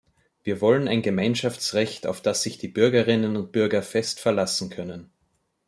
Wir wollen ein Gemeinschaftsrecht, auf das sich die Bürgerinnen und Bürger fest verlassen können.